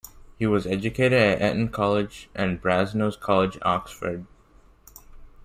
He was educated at Eton College and Brasenose College, Oxford.